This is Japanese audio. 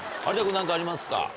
有田君何かありますか？